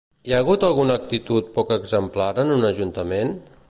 Hi ha hagut alguna actitud poc exemplar en un ajuntament?